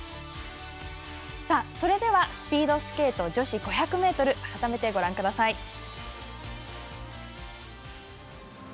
それでは、スピードスケート女子５００ｍ改めてご覧ください。